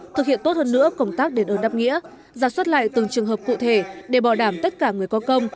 thực hiện tốt hơn nữa công tác đền ơn đáp nghĩa giả xuất lại từng trường hợp cụ thể để bỏ đảm tất cả người có công